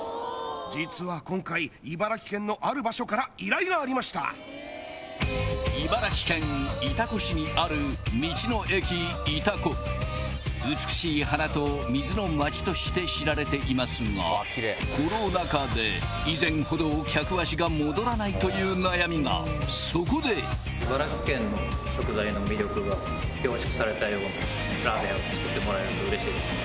実は今回茨城県のある場所から依頼がありました茨城県潮来市にある道の駅いたこ美しい花と水の街として知られていますがコロナ禍で以前ほど客足が戻らないという悩みがそこでを作ってもらえるとうれしいです